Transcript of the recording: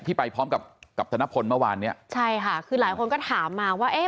ไปพร้อมกับกับธนพลเมื่อวานเนี้ยใช่ค่ะคือหลายคนก็ถามมาว่าเอ๊ะ